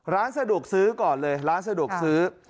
ร้านสะดวกซื้อก่อนเลยร้านสะดวกซื้อ